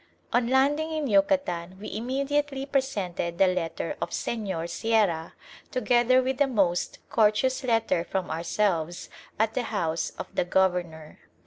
On landing in Yucatan we immediately presented the letter of Señor Sierra, together with a most courteous letter from ourselves, at the House of the Governor.